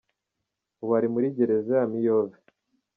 Ubu ari muri Gereza ya Miyove.”